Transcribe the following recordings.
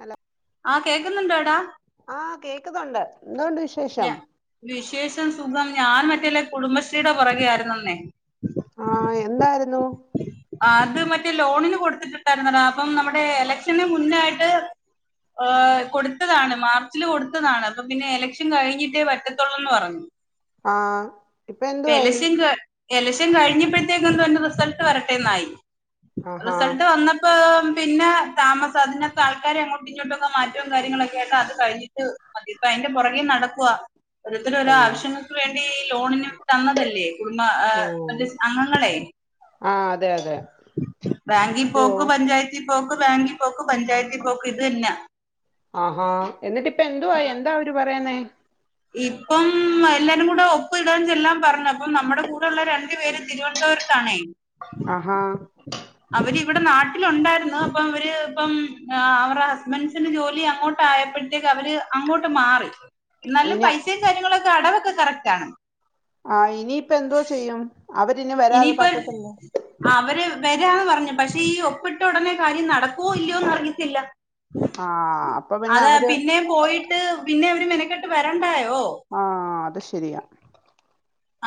Hello ആഹ് കേൾക്കുന്നുണ്ടോ എടാ ആഹ് കേൾക്കുന്നുണ്ട് എന്തു ഉണ്ട് വിശേഷം ഞാ വിശേഷം സുഖം ഞാൻ മറ്റേല്ലെ കുടുംബശ്രീയുടെ പുറകെ ആയിരുന്നു ഇന്നേ ആഹ് എന്തായിരുന്നു അത് മറ്റേ ലോണിന് കൊടുത്തിട്ടണ്ടായിരുന്ന എടാ അപ്പം നമ്മുടെ എലക്ഷന് മുന്നായിട്ട് ഏഹ് കൊടുത്തതാണ് മാർച്ചില് കൊടുത്തതാണ് അപ്പൊ പിന്നെ എലക്ഷൻ കഴിഞ്ഞിട്ടേ പറ്റത്തുള്ളൂന്ന് പറഞ്ഞു ആഹ് ഇപ്പൊ എന്തുവായി എലക്ഷൻ ഇലക്ഷൻ കഴിഞ്ഞപ്പോഴത്തേക്ക തന്നെ റിസൾട്ട് വര വരട്ടെന്നായി ആഹാ റിസൾട്ട് വന്നപ്പോ പിന്നാ താമ അതിനെക്കെ ആൾക്കാരെ അങ്ങോട്ടും ഇങ്ങോട്ടൊക്കെ മാറ്റവും കാര്യങ്ങളൊക്ക ആയിട്ട് അത് കഴിട്ട് മതിപ്പ അതിന്റെ പുറകെ നടക്കുവാ ഓരോരുത്തരു ഓരോ അയ്യോ ആവശ്യങ്ങൾക്ക് വേണ്ടി ഈ ലോണിന് തന്നതല്ലേ കുടുംബ് ഓ മറ്റേ അംഗങ്ങളെ ആഹ് അതെ അതെ ബാങ്കിൽ ഓ പോക്ക് പഞ്ചായത്തി പോക്ക് ബാങ്കിൽ പോക്ക് പഞ്ചായത്തിൽ പോക്ക് ഇതെന്നാ ആഹാ എന്നിട്ട് ഇപ്പ എന്തുവായി എന്താ അവര് പറയുന്നേ ഇപ്പം എല്ലാരും കൂടെ ഒപ്പ് ഇടാൻ ചെല്ലാൻ പറഞ്ഞു അപ്പം നമ്മുടെ കൂടെള്ള രണ്ടു പേരും തിരുവനന്തപുരം ത്താണെയ് ആഹാ അവരിവിടെ നാട്ടിലൊണ്ടായിരുന്ന് അപ്പൊ അവര് ഇപ്പം ആ ടെ ഹസ്ബൻസിന് ജോലി അങ്ങോട്ടയപ്പോഴത്തേക്ക് അവര് അങ്ങോട്ട് മാറി എന്നാലും ഇനി പൈസയും കാര്യങ്ങളൊക്കെ അടവൊക്കെ കറക്റ്റ് ആണ് ആഹ ഇനിയിപ്പ എന്തോ ചെയ്യും അവരിനി വരാതെ ഇനിയിപ്പൊ പറ്റത്തില്ല ആ അവര് വരാന്ന് പറഞ്ഞു പഷെ ഈ ഒപ്പിട്ട ഒടനെ കാര്യം നടക്കുവോ ഇല്ലയോന്ന് അറിയത്തില്ല ആഹ് അപ്പൊ പിന്നെ അതാ അവര് പിന്നേം പോയിട്ട് പിന്നെ ഇവര് മെനക്കെട്ട് വരണ്ടായോ ആ അത് ശരിയാ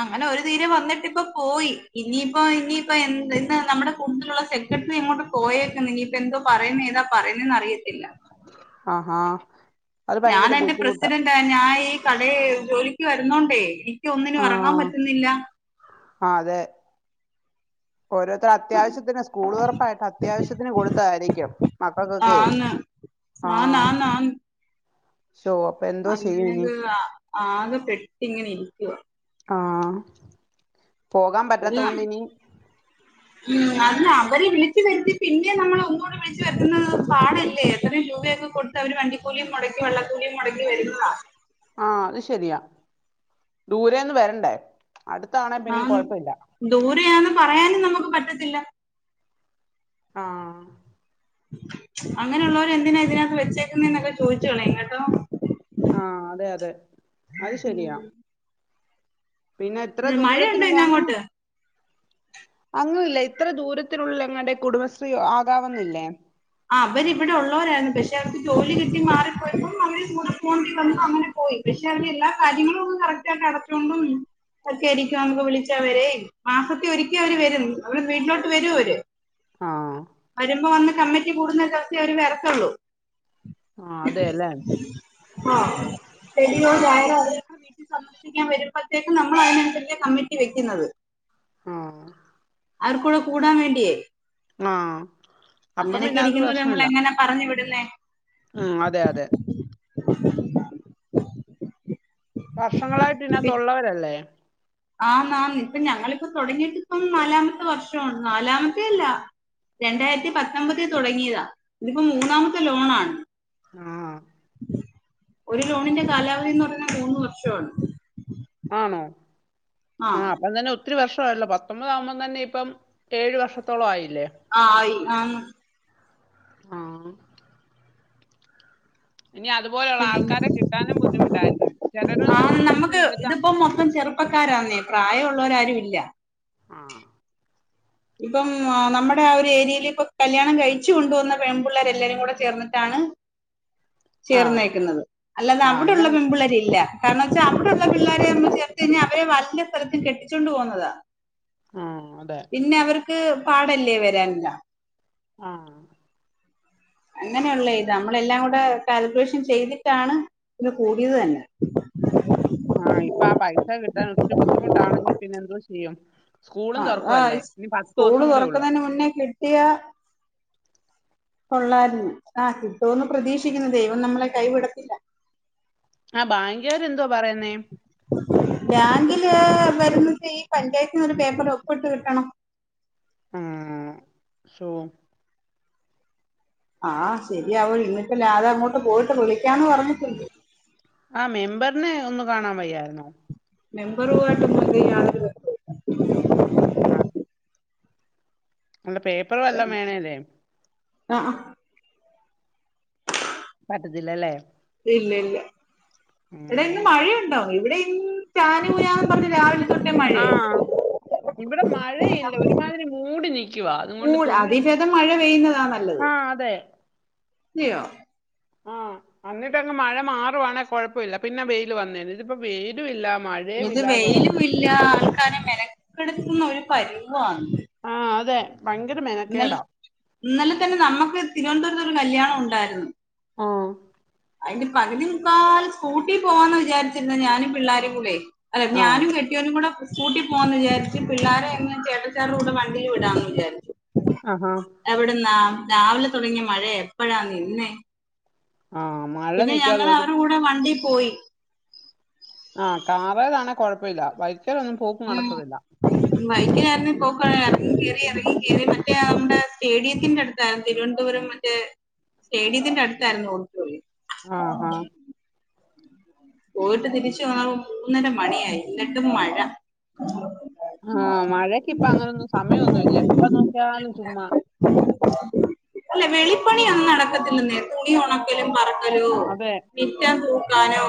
അങ്ങനെ ഒരു തീരെ വന്നിട്ട് ഇപ്പോ പോയി ഇനിയിപ്പോ ഇനിയിപ്പോ എ ഇന്ന് നമ്മുടെ കൂട്ടത്തിലുള്ള ട്ട് ഇങ്ങോട്ട് പോയേക്ന്ന് ഇനിയിപ്പ എന്തോ പറയുന്നത് ഏതാ പറയുന്നെന്ന് അറിയത്തില്ല ആ ആ അത് ഭയങ്കര ബുദ്ധിമുട്ടാ ഞായെ ഈ കടേ ജോലിക്ക് വരുന്നോണ്ടേ എനിക്കൊന്നിനു എറങ്ങാൻ പറ്റുന്നില്ല ആ അതെ ഓരോരുത്തർ അത്യാവശ്യത്തിന് സ്കൂള് തൊറപ്പായിട്ട് അത്യാവശ്യത്തിന് കൊടുത്ത ആയിരിക്കും മക്കക്കൊക്കേ ആന്നാന്നാന്ന് ശോ അപ്പെന്തോ ചെയ്യുനി ആ- ആകെ പെട്ടിങ്ങിനെ ഇരിക്കുവ ആ പോകാമ്പറ്റാത്തോണ്ടിനി [inaudible] ഉം അതിനവര് വിളിച്ചു വരുത്തി പിന്നെ നമ്മള് ഒന്നൂടെ വിളിച്ചു വര്ത്ത്ന്നത് പാടല്ലേ എത്രയും രൂപയൊക്കെ കൊടുത്തവര് വണ്ടിക്കൂലിയും മൊടക്കി വള്ളക്കൂലിയും മൊടക്കി വര്ന്നതാ ആ അത് ശെരിയാ ദൂരേന്ന് വരണ്ടേ അടുത്താണേ പിന്നെ ആന്ന് കൊഴപ്പില്ല ദൂരെയാന്ന് പറയാനും നമുക്ക് പറ്റത്തില്ല ആ അങ്ങനെയുള്ളോരെന്തിനാ ഇതിനകത്ത് വെച്ചേക്കുന്നെന്നൊക്കെ ചോദിച്ച് കളേം കേട്ടോ ആ അതെയതെ അത് ശെരിയാ ഉം. പിന്നെ എത്ര മഴയുണ്ടോ ഇന്ന് ദൂരത്തിനുള്ളയാന്ന് അങ്ങോട്ട് അങ്ങിലേ ഇത്ര ദൂരത്തിലുള്ള ങ്ങളുടെ കുടുംബശ്രീ ആകാവുന്നില്ലേ ആ അവരിവിടുള്ളോരായിരുന്നു പഷെ അവർക്ക് ജോലി കിട്ടി മാറിപ്പോയപ്പോ അവര് കൂടെ പോണ്ടി വന്നു അങ്ങനെ പോയി പഷെ അവന് എല്ലാ കാര്യങ്ങളും കറക്റ്റ് ആട്ട് അടച്ചുകൊണ്ട ഒക്കെ ആയിരിക്കും നക്ക് വിളിച്ച അവരെ മാസത്തി ഒരിക്കവര് വരും അവിടെ വീട്ടിലോട്ട് വരും അവര് ആഹ് വരുമ്പോ വന്ന് കമ്മിറ്റി കൂടുന്ന ദിവസേ അവര് വരത്തുള്ളൂ ആ അതെയല്ലേ ആ [unintelligible] സന്ദർശിക്കാൻ വരുമ്പോഴത്തേക്കു നമ്മളതിനനുസരിച്ചെ കമ്മിറ്റി വെക്ക്ന്നത് ആ അവർക്കൂടെ കൂടാൻ വേണ്ടിയേ ആ അപ്പം അങ്ങനെയൊക്കെ പിന്നത് ഇരിക്കുന്നവരെ നമ്മൾ പ്രശ്നുല്ല എങ്ങനെ പറഞ്ഞു വിടുന്നേ ഹമ് അതെ അതെ [inaudible] വർഷങ്ങളായിട്ട് ഇതിനാത്തുള്ളവരല്ലേ ആ നാന്ന് പ്പ ഞങ്ങളിപ്പോ തൊടങ്ങീട്ടിപ്പം നാലാമത്തെ വർഷൊണ് നാലാമത്തെയല്ല രണ്ടായിരത്തി പത്തൊമ്പതില് തൊടങ്ങിയതാ ഇതിപ്പോ മൂന്നാമത്തെ ലോണാണ് ആഹ് ഒര് ലോണിന്റെ കാലാവധീന്ന് പറഞ്ഞ മൂന്ന് വർഷാണ് ആണോ ആ അപ്പത്തന്നെ ഒ ഒത്തിരി വർഷവായല്ലോ പത്തൊമ്പതാകുമ്പോ തന്നെ ഇപ്പം ഏഴ് വർഷത്തോളം ആയില്ലേ ആഹ് ആയി ആന്ന് ആഹ് ഇനി അതുപോലെ ഉള്ളാൾക്കാരെ കിട്ടാനും ബുദ്ധിമുട്ടാര്ക്കും ചെലോരൊന്ന് കുടുംബശ്രീ എടുത്ത ഇപ്പോ മൊത്തോ ചെറു പ്പക്കാരാന്നേ പ്രായമുള്ളോരാരുല്ല ആഹ് ഇപ്പം നമ്മുടെ ആ ഒരു ഏരിയല് ഇപ്പം നമ്മുടെ ആ ഏരിയെല് കല്യാണം കഴിച്ചു കൊണ്ടു വന്ന പെ മ്പുള്ളേരെല്ലാരും കൂടെ ചേർന്നിട്ടാണ് [inaudible] ആഹ് ചേർന്നേക്കുന്നത് അല്ലാതെ ആഹ് അവിടുള്ള അങ്ങനെ പെമ്പിള്ളേരില്ല കാരണച്ചാ അവിടുള്ള പിള്ളേരെയൊന്നും ചേർത്ത് കയ്ഞ്ഞാ അവരെ വല്ല സ്ഥലത്തും കെട്ടിച്ചോണ്ട് പോവുന്നതാ ആഹ് അതെ പിന്നെ അവർക്ക് പാടല്ലേ വരാനെല്ലാം ആഹ് അങ്ങനെയൊള്ള ഇതാ നമ്മളെല്ലാം കൂടെ കാൽക്കുലേഷൻ ചെയ്തിട്ടാണ് ഇത് കൂടിയത് തന്നെ ആഹ് ഇപ്പ ആ പൈസ കിട്ടാൻ ഒത്തിരി ബുദ്ധിമുട്ടാണെങ്കി പിന്നെ എന്തോ ചെയ്യും സ്കൂളും ആ ആ തൊറക്കുവല്ലേ ഇനി പത്ത് ദിവസം കൂടെഒള്ള് ഇയാ കൊള്ളാര്ന്ന് ആഹ് കിട്ടോന്ന് പ്രതീക്ഷിക്ക്ന്ന് ദൈവം നമ്മളെ കൈവിടത്തില്ല ആ ബാങ്ക്കാര് എന്തുവാ പറയുന്നേ ബാങ്കില് വരുന്നിട്ടീ ഈ പഞ്ചായത്തിന്ന് ഒര് പേപ്പറില് ഒപ്പിട്ട് കിട്ടണം. ആഹ് ശോ ആഹ് ശെരിയാവോ ഇന്നിപ്പല്ലെ അതങ്ങോട്ട് പോയിട്ട് വിളിക്കാംന്ന് പറഞ്ഞിട്ട്ണ്ട് ആ മെമ്പറിനെ ഒന്നു കാണാൻ വയ്യായ്ര്ന്നോ മെമ്പറുവായിട്ടൊന്നും അതിന് യാതൊരു ബന്ധവുല്ല ആഹ്. അല്ല പേപ്പറ് വല്ലോം വേണേലെ ആഹ് ആഹ് പറ്റത്തില്ലല്ലേ ഇല്ല ഇല്ല എടാ ഉം ഇന്ന് മഴയുണ്ടോ ഇവടെ ഇന്ന് ചാന് കൂനാന്നും പറഞ്ഞ് രാവിലെ തൊട്ടേ മഴയാ ആഹ്. ഇവടെ മഴയില്ല ഒരുമാതിരി മൂടി നിക്കുവാ അതും കൊണ്ട് തുണിയൊ ക്ക്ന്നതാ നല്ലത്. ആഹ് അതെ. അതെയോ ആഹ് അന്ന്ട്ടങ്ങ് മഴ മാറുവാണെ കൊഴപ്പവില്ല പിന്നെ വെയില് വന്നേനേ ഇതിപ്പ വെയിലും ഇല്ല മഴ ഇത് വെയിലും ഇല്ല ആൾക്കാരെ മെനക്കെട്ത്ത്ന്നൊര് പരിവാന്ന് ആഹ് അതെ ഭങ്കര മെനക്കേടാ ഇന്നലെ തന്നെ നമ്മക്ക് തിരുവനന്തപുരത്തൊര് കല്യാണം ഒണ്ടായിരുന്നു ആഹ് അയ്ന്റെ പകുതി മുക്കാലും സ്കൂട്ടി പോവാന്നാ വിചാരിച്ചിര്ന്നെ ഞാനും പിള്ളാരും കൂടെ അല്ല ആ ഞാനും കെ ട്ടിയോനും കൂടെ സ്കൂട്ടി പോവാന്ന് വിജാരിച്ച് പിള്ളാരെയങ്ങ് ചേട്ടച്ചാരുടെ കൂടെ വണ്ടി വിടാന്ന് വിജാരിച്ചു. ആഹ് ആഹ് എവട്ന്നാ രാവിലെ തൊടങ്ങിയ മഴയാ എപ്പഴാ നിന്നെ? ആഹ് മ് പിന്നെ ഞങ്ങളവരെ കൂടെ വണ്ടീ പോയി. ആഹ് കാറേലാണെ കൊഴപ്പയില്ല ബൈക്കേലൊന്നും പോക്ക് നടക്കത്തില്ലാ. ബൈക്കേ ആര്ന്നേ പോക്ക് എറങ്ങി കേറി എറങ്ങി കേറി മറ്റേ ആ നമ്മടെ സ്റ്റേഡിയത്തിന്റെട് ത്താ തിരുവനന്തപുരം മറ്റേ സ്റ്റേഡിയത്തിന്റെ അട്ത്താരുന്നു ഓഡിറ്റോറിയം. ആഹ് ആഹ് പോയിട്ട് തിരിച്ച് വന്നപ്പം മൂന്നര മണിയായി എന്നിട്ടും മഴ ആഹ് മഴക്കിപ്പ അങ്ങനൊന്നും സമയഒന്നുല്ല എപ്പ നോക്കിയാലും ചുമ്മാ അല്ല വെളിപ്പണിയൊന്നും നടക്കത്തില്ലന്നേ തുണ് തുണി ഒണക്കലും പറക്കലോ അതെ മിറ്റം തൂക്കാനോ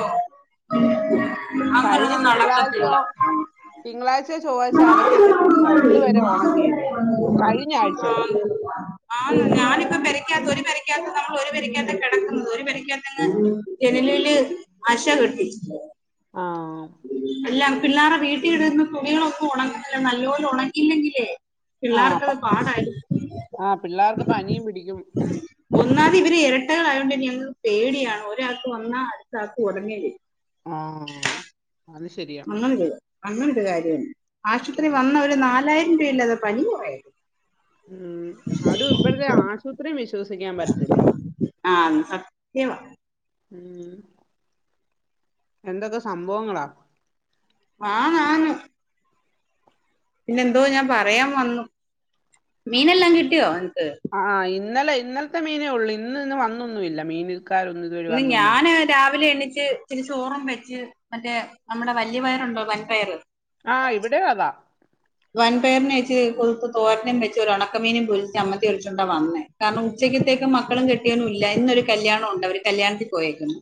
കഴിഞ്ഞ അങ്ങനൊന്നും നടക്കത്തില്ല തിങ്കളാഴ്ച്ചയോ തിങ്കളാഴ്ച്ചയോ ചൊവ്വാഴ്ച്ചയോ അലക്കിയിട്ട തുണിയാ ഇത് വരെ ഒണങ്ങിയില്ലാ കഴിഞ്ഞ ആഴ്ച്ചേ ആന്ന് ഞാനിപ്പ പെരക്കാത്ത് ഒര് പെരക്കാത്ത് നമ്മള് ഒര് പെരക്കാത്ത് കെടക്ക്ന്നത് ഒര് പെരക്കാത്തങ്ങ് ജനലേല് അഷകെട്ടി ആ എല്ലാം പിള്ളാര്ടെ വീട്ടിയിട്ന്ന തുണികളൊന്നും ഒണങ്ങ്ന്നില്ലാ നല്ല പോലെ ഒണങ്ങിയില്ലെങ്കിലേ ആ പിള്ളാർക്കത് പ- പാടാരി ആ പിള്ളേർക്ക് പനിയും പിടിക്കും ഒന്നാമത് ഇവര് എരട്ടകളായകൊണ്ട് ഞങ്ങക്ക് പേടിയാണ് ഒരാൾക്ക് വന്നാ അട്ത്താൾക്കും ഒടനെ വരും. ആഹ് അത് ശെരിയാ. അങ്ങനൊരു അങ്ങനൊരു കാര്യമാണ് ആശുപത്രി വന്നാ ഒരു നാലായിരം രൂപയില്ലാതെ പനി കൊറെയേല്ലാ ഉം അതും ഇപ്പഴ്ത്തെ ആശുപത്രി വിശ്വസിക്കാൻ പറ്റത്തില്ലാ ആഹ് സത്യവാ ഉം എന്തൊക്കെ സംഭവങ്ങളാ ആന്നാന്ന് പിന്നെന്തോ ഞാൻ പറയാൻ വന്നു മീനെല്ലാം കിട്ടിയോ അന്നിട്ട്? ആഹ് ഇന്നലെ ഇന്നൽത്തെ മീനേ ഒള്ളൂ ഇന്ന് ഇന്ന് വന്നൊന്നുവില്ലാ മീൻ വിൽക്കാരൊന്നും ഇന്ന് ഞാന് രാവിലെ എണ്ണിച്ച് ഇച്ചിരി ചോറും വെച്ച് മറ്റേ നമ്മടെ വല്യ പയറുണ്ടോ വൻപയറ് ആഹ് ഇവിടെയും അതാ വൻപയറിനെ വെച്ച് [unintelligible] തോരനും വെച്ച് ഒരു ഒണക്കമീനും പൊരിച്ച് ചമ്മന്തീ അരച്ചോണ്ടാ വന്നേ കാരണം ഉച്ചക്കത്തേക്കും മക്കളും കെട്ടിയോനും ഇല്ല ഇന്നൊരു കല്യാണം ഒരുണ്ട് അവര് കല്യാണത്തി പോയേക്കുന്ന്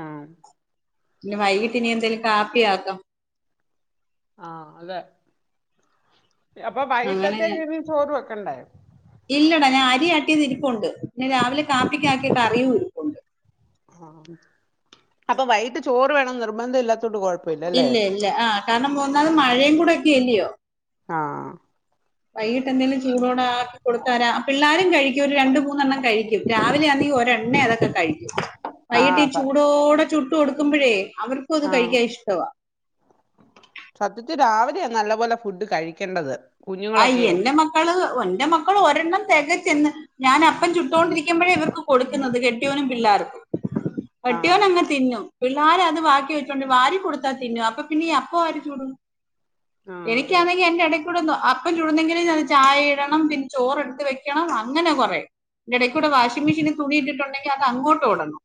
ആഹ് പിന്നെ വൈകീട്ടിനി എന്തേലും കാപ്പിയാക്കാം ആഹ് അതെ അപ്പൊ അങ്ങനെ ഞാൻ വൈകിട്ടത്തേക്കിനി ചോറ് വെക്കണ്ടേ ഇല്ലടാ ഞാൻ അരി ആട്ടിയതിരിപ്പുണ്ട് പിന്നെ രാവിലെ കാപ്പിക്ക് ആക്കിയ കറിയും ഇരിപ്പു ആഹ് അപ്പൊ വൈകിട്ട് ചോറ് വേണന്ന് നിർബന്ധം ഇല്ലാത്തോണ്ട് കൊഴ ഇല്ല ഇല്ല ആഹ് കാരണം ഒന്നാത് മഴയും കൂടെ ഒക്കെ അല്ലിയോ ആഹ് വൈകിട്ട് എന്തേലും ചൂടോടെ ആക്കി കൊടുത്താരാ ആ പിള്ളാരും കഴിക്കും ഒരു രണ്ടു മൂന്നെണ്ണം കഴി ക്കും രാവിലാന്നെ ഒരെണ്ണേ അതൊക്കെ കഴി വൈകിട്ട് ഈ ആഹ് ചൂടോടെ ചുട്ടു കൊടുക്കുമ്പഴേ അവർക്കും അത് കഴിക്കാൻ ഇഷ്ട്ടവാ സത്യത്തി രാവിലെയാ നല്ല പോലെ ഫുഡ് കഴിക്കേണ്ടത് ആഹ് കുഞ്ഞുങ്ങളൊക്കെയെ എന്റെ മക്കള് എന്റെ മക്കള് ഒരെണ്ണം തെകച്ചെന്ന് ഞാൻ അപ്പം ചുട്ടോണ്ടിരിക്കുമ്പഴേ ഇവർക്ക് കൊടുക്കുന്നത് കെട്ട്യോനും പിള്ളാർക്കും ആഹ് കെട്ടിയോനങ്ങ് തിന്നും പിള്ളാരും അത് ബാക്കി വെച്ചോണ്ട് വാരി കൊടുത്താ തിന്നും അപ്പൊ പിന്നെയീ അപ്പവാര് ചുടും ആഹ് അതെ എനിക്കാന്നെങ്കി അതിൻ്റെ എടേക്കൂടെ എന്ത്വ അപ് അപ്പം ചുടുന്നെങ്കിലും ഞാൻ ചായ ഇടണം പിന്നെ ചോറെടുത്ത് വെക്കണം അങ്ങനെ കൊറെ ൻ്റെ ഇടക്കൂടെ വാഷിംഗ് മെഷീനി തുണിയിട്ടിട്ടൊണ്ടെങ്കി അതങ്ങോട്ട് ഓടണം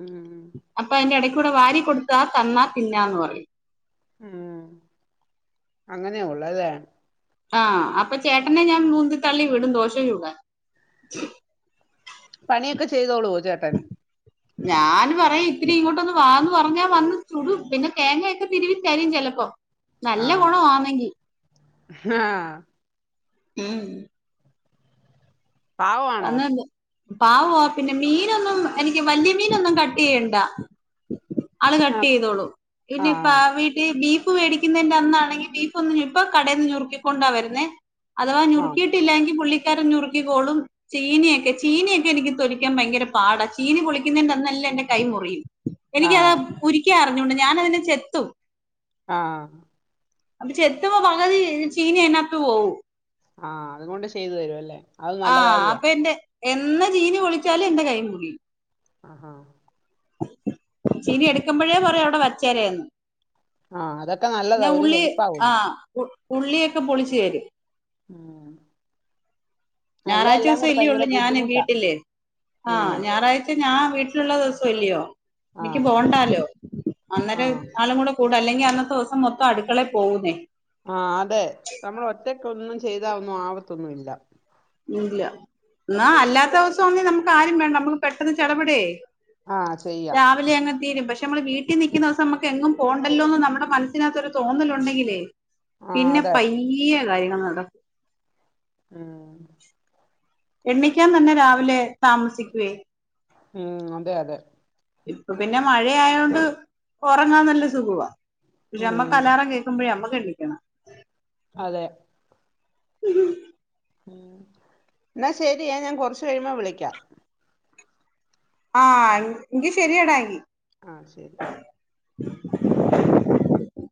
ഉം ഉം അപ്പൊ അതിന്റെ എടെക്കൂടെ വാരി കൊടുത്താ തന്നാ തിന്നാന്ന് പറയും ഉം അങ്ങനെ ഒള്ളല്ലേ ആഹ് അപ്പൊ ചേട്ടനെ ഞാൻ ഉന്തി തള്ളി വിടും ദോശ ചുടാൻ പണിയൊക്കെ ചെയ്തോളുവോ ചേട്ടൻ ഞാന് പറയും ഇത്തിരി ഇങ്ങോട്ടൊന്ന് വാന്ന് പറഞ്ഞാ വന്ന് ചുടും പിന്നെ തേങ്ങയൊക്കെ തിരുവി തരും ചെലപ്പോ നല്ല ആഹ് ഗുണവാന്നെങ്കി ആഹ് ഉം പാവമാണോ [unintelligible] പാവവ പിന്നെ മീനൊന്നും എനിക്ക് വല്യ മീനൊന്നും കട്ട് ചെയ്യണ്ട ആള് കട്ട് ആഹ് ചെയ്തോളും പിന്നെ ഇപ്പ ആഹ് വീട്ടിൽ ബീഫ് ഉപ്പ് മേടിക്കുന്നെന്റെ അന്നാണെങ്കി ബീഫ് ഒന്ന് ഇപ്പം കടേന്ന് ഞുറുക്കിക്കൊണ്ടാ വരുന്നേ അഥവാ ആഹ് ഞുറുക്കിയിട്ടില്ലാ എങ്കി പുള്ളിക്കാരൻ ഞുറുക്കിക്കോളും ചീനിയെക്കെ ചീനിയെക്കെ എനിക്ക് തൊലിക്കാൻ ഭയങ്കര പാടാ ചീനി പൊളിക്കുന്നെന്റന്നല്ലാം എന്റെ കൈ മുറിയും എനിക്കത് ആഹ് ഉരിക്കാഅറിഞ്ഞോട ഞാനതിനെ ചെത്തും ആഹ് അപ്പൊ ചെത്തുമ്പോ പകുതി ചീനി അതിനാത്ത് പോവും ആഹ് അതുകൊണ്ട് ചെയ്തു തരുവല്ലേ ആഹ് അപ്പൊ എൻ്റെ എന്ന് ചീനി പൊളിച്ചാലും എന്റെ കൈ മുറിയും ആഹാ ചീനി എടുക്കുമ്പഴേ പറയും അവിടെ വച്ചേരേന്ന് ആഹ് അതൊക്കെ പിന്നെ നല്ലതാ ഒരു ഉള്ളി ഹെൽപ്പ് ആവുല്ലോ ആഹ് ഉ ഉള്ളിയൊക്കെ പൊളിച്ചു തരും ആഹ് ഞാറാഴ്ച ദിവസം ഭയങ്കര അല്ലേയുള്ളൂ ഞാന് ബുദ്ധിമുട്ടാ വീട്ടില് ആഹ് ഉം ഞാറാഴ് ച ഞാൻ വീട്ടിലുള്ള ദിവസല്ലയോ എനിക്ക് ആഹ് പോകണ്ടാലോ അന്നേരം ആഹ് ആളും കൂടെ കൂടും അല്ലെങ്കി അന്നത്തെ ദിവസം മൊത്തം അടുക്കളെ പോകുന്നേ ആഹ് അതെ നമ്മൾ ഒറ്റക്കൊന്നും ചെയ്താ ഒന്നും ആവത്തൊന്നുംഇല്ല ഇല്ല എന്ന അല്ലാത്ത ദിവസം ഒന്ന നമുക്ക് ആരും വേണ്ട നമ്മക്ക് പെട്ടെന്ന് ചടപടേ ആഹ് ചെയ്യാം രാവിലെ അങ്ങ് തീരും പക്ഷെ നമ്മള് വീട്ടിൽ നിക്കുന്നിസം നമുക്ക് എങ്ങും പോകണ്ടല്ലോന്ന് നമ്മുടെ മനസ്സിനകതോത്തൊരു തോന്നലുണ്ടെങ്കിലേ ആഹ് പിന്നെ അതെ പയ്യെയാ കാര്യങ്ങള് നട ആഹ് എണ്ണീക്കാൻ തന്നെ രാവിലെ താമസിക്കുവേ ഉം അതെ അതെ ഇപ്പൊ പിന്നെ മഴയായോണ്ട് ഒറങ്ങാൻ നല്ല സുഖവാ പക്ഷെ നമ്മക്ക് ഉം അലാറം കേക്കു മ്പഴേ നമ്മക്ക് എണീക്കണം അതെ ഉം എന്നാ ശെരിയേ ഞാൻ കുറച്ച് കഴിയുമ്പോ വിളിക്കാം ആഹ് എങ്കി ശെരിയടാഎങ്കി ആഹ് ശരി